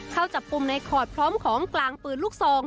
เข้าจับกลุ่มในขอดพร้อมของกลางปืนลูกซอง